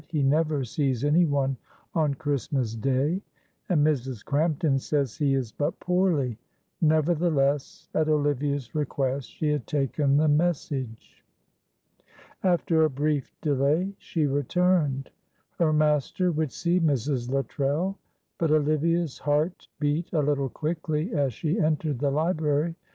"He never sees anyone on Christmas Day; and Mrs. Crampton says he is but poorly;" nevertheless, at Olivia's request, she had taken the message. After a brief delay she returned. Her master would see Mrs. Luttrell; but Olivia's heart beat a little quickly as she entered the library.